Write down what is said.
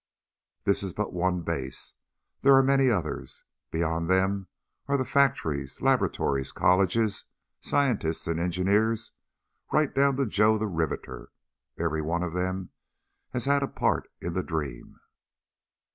"This is but one base. There are many others. Beyond them are the factories, laboratories, colleges, scientists and engineers, right down to Joe the Riveter. Every one of them has had a part in the dream.